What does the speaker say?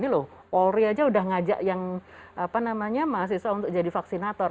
ini loh polri aja udah ngajak yang mahasiswa untuk jadi vaksinator